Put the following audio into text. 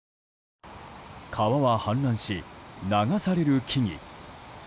川は氾濫し、流される木々。